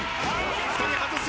１人外す。